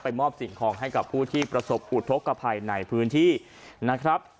มอบสิ่งของให้กับผู้ที่ประสบอุทธกภัยในพื้นที่นะครับ